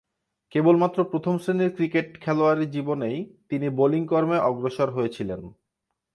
কেবলমাত্র প্রথম-শ্রেণীর ক্রিকেট খেলোয়াড়ী জীবনেই তিনি বোলিং কর্মে অগ্রসর হয়েছিলেন।